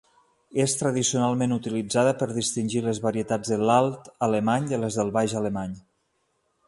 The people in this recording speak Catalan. És tradicionalment utilitzada per distingir les varietats de l'Alt Alemany de les del Baix Alemany.